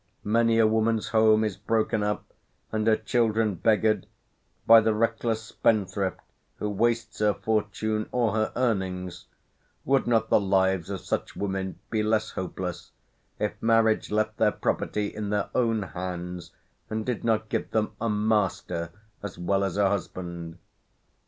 Many a woman's home is broken up, and her children beggared, by the reckless spendthrift who wastes her fortune or her earnings: would not the lives of such women be less hopeless, if marriage left their property in their own hands, and did not give them a master as well as a husband?